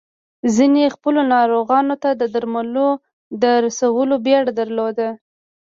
ځينو خپلو ناروغانو ته د درملو د رسولو بيړه درلوده.